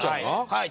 はい。